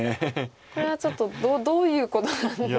これはちょっとどういうことなんですかね。